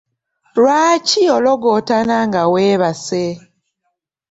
Lwaki ologootana nga weebase?